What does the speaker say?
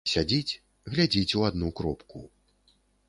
Сядзіць, глядзіць у адну кропку.